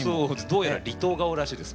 どうやら離島顔らしいです